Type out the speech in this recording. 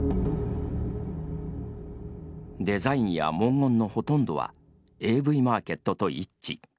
デザインや文言のほとんどはＡＶＭａｒｋｅｔと一致。